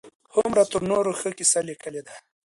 هومر تر نورو ښه کيسه ليکلې ده.